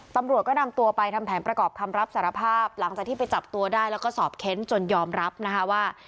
ตำรวจก็นำตัวไปทำแผนประกอบคำรับสารภาพหลังจากที่ไปจับตัวได้แล้วก็สอบเค้นจนยอมรับนะคะว่า